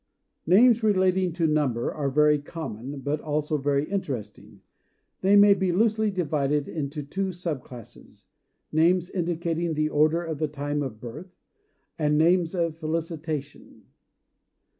Names relating to number are very common, but also very interesting. They may be loosely divided into two sub classes, names indicating the order or the time of birth, and names of felicitation.